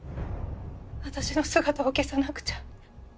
私の姿を消さなくちゃ